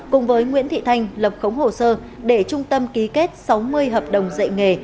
cùng với nguyễn thị thanh lập khống hồ sơ để trung tâm ký kết sáu mươi hợp đồng dạy nghề